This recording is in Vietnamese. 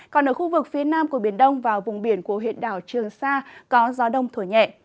còn ở khu vực phía nam của biển đông và vùng biển của huyện đảo trường sa có gió đông thổi nhẹ